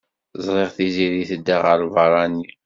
Ẓriɣ Tiziri tedda ɣer lbeṛṛani.